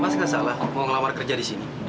mas gak salah mau ngelamar kerja di sini